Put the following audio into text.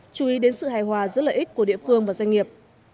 chú ý đến sự hài hòa giữa lợi ích của địa phương và doanh nghiệp